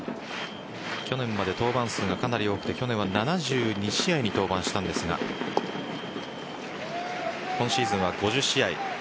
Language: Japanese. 去年まで登板数がかなり多くて去年は７２試合に登板したんですが今シーズンは５０試合。